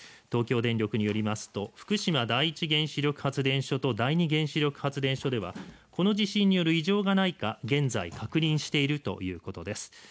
東京電力によりますと福島第一原子力発電所と第二原子力発電所ではこの地震による異常がないか現在確認しているということです。